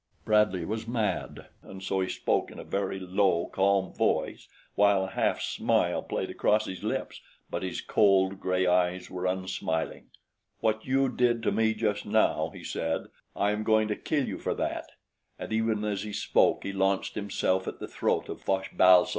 Bradley was mad, and so he spoke in a very low, calm voice while a half smile played across his lips but his cold, gray eyes were unsmiling. "What you did to me just now," he said, " I am going to kill you for that," and even as he spoke, he launched himself at the throat of Fosh bal soj.